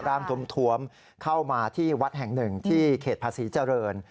ถวมเข้ามาที่วัดแห่งหนึ่งที่เขตภาษีเจริญ